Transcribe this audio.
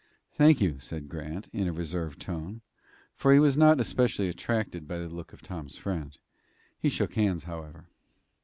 "Thank you," said Grant, in a reserved tone; for he was not especially attracted by the look of Tom's friend. He shook hands, however.